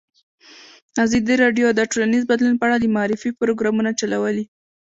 ازادي راډیو د ټولنیز بدلون په اړه د معارفې پروګرامونه چلولي.